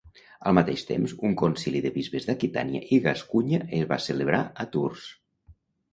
Al mateix temps un concili de bisbes d'Aquitània i Gascunya es va celebrar a Tours.